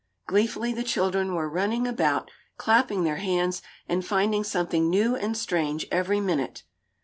Gleefully the children were running about, clapping their hands, and finding something new and strange every minute.